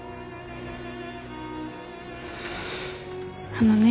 あのね。